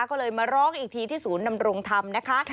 ก็เลยมาร้องอีกทีที่ศูนย์นำรงธรรมนะคะ